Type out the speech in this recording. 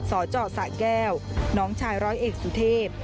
สจสะแก้วน้องชายร้อยเอกสุเทพ